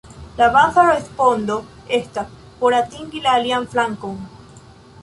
La baza respondo estas "por atingi la alian flankon".